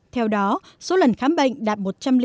theo đó số lần khám bệnh đạt một trăm linh bốn